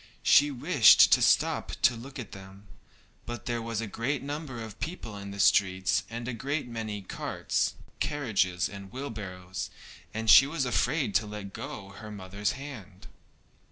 She wished to stop to look at them, but there was a great number of people in the streets, and a great many carts, carriages, and wheelbarrows, and she was afraid to let go her mother's hand.